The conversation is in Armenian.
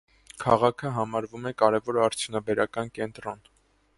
Քաղաքը համարվում է կարևոր արդյունաբերական կենտրոն։